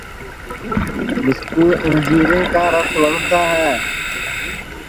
مِسکُو اَنجیرا کا رس وٹؔتا ہے